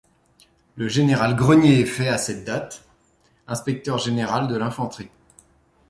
Le général Grenier est fait, à cette date, inspecteur général de l'infanterie.